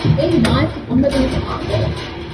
އެއީ ނާއިފްގެ ކޮންމެ ދުވަހަކު އާދައެއް